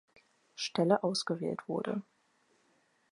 Stelle ausgewählt wurde.